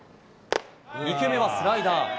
２球目はスライダー。